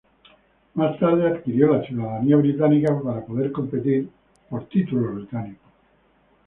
Más tarde adquirió la ciudadanía británica para poder competir por títulos británicos.